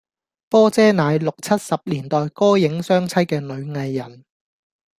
波姐乃六七拾年代歌影雙棲嘅女藝人